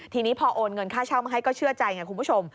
ทีนี้พอโอนเงินค่าเช่ามาให้ก็เชื่อใจไงคุณผู้ชม